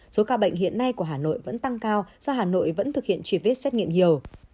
số ca bệnh hiện nay của hà nội vẫn tăng cao do hà nội vẫn thực hiện truy vết xét nghiệm nhiều